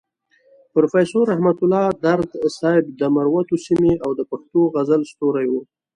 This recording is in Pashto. پروفيسور رحمت الله درد صيب د مروتو سيمې او د پښتو غزل ستوری وو.